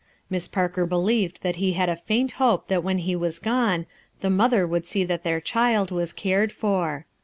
Miss Parker believed that he had a faint hope that when he was gone, the mother would see that their child was cared for.